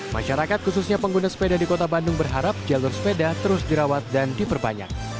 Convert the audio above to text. masyarakat khususnya pengguna sepeda di kota bandung berharap jalur sepeda terus dirawat dan diperbanyak